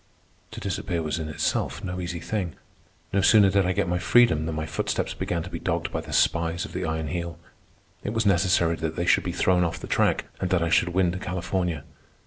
To disappear was in itself no easy thing. No sooner did I get my freedom than my footsteps began to be dogged by the spies of the Iron Heel. It was necessary that they should be thrown off the track, and that I should win to California.